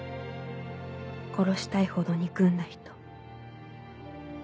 殺したいほど憎んだ人」。